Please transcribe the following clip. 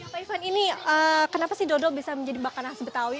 pak ivan ini kenapa sih dodol bisa menjadi makanan khas betawi